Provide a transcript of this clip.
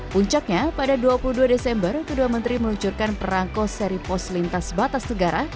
puncaknya pada dua puluh dua desember kedua menteri meluncurkan perangko seri pos lintas batas negara